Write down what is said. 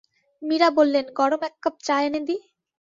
মীরা বললেন, গরম এককাপ চা এনে দি?